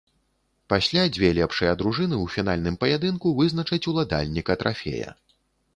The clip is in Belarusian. Пасля дзве лепшыя дружыны ў фінальным паядынку вызначаць уладальніка трафея.